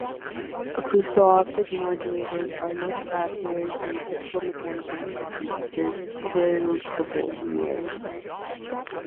Acousto-optic modulators are much faster than typical mechanical devices such as tiltable mirrors.